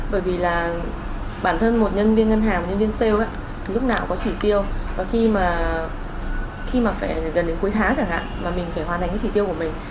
bởi vì là bản thân một nhân viên ngân hàng một nhân viên sale lúc nào có chỉ tiêu và khi mà phải gần đến cuối tháng chẳng hạn và mình phải hoàn thành cái chỉ tiêu của mình